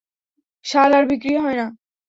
শাল আর বিক্রী হয় না।